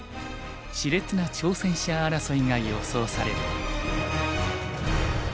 しれつな挑戦者争いが予想される。